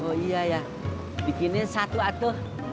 oh iya ya bikinin satu atuh